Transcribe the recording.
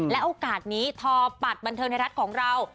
และโอกาสนี้ทอปัดบันเทิงไทยรัฐของเรา